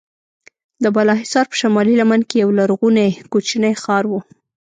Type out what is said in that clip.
د بالاحصار په شمالي لمنه کې یو لرغونی کوچنی ښار و.